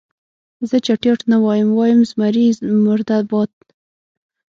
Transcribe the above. زه چټیات نه وایم، وایم زمري مرده باد.